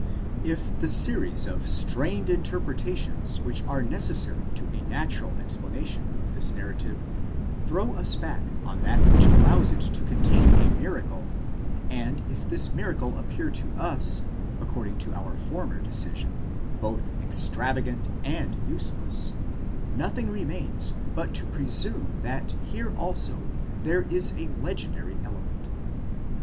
If the series of strained interpretations which are necessary to a natural ex planation of this narrative throw us back on that which allows it to contain a miracle ; and if this miracle appear to us, according to our former decision, both extravagant and useless, nothing remains but to presume that here also there is a legendary element.